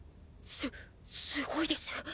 すすごいです。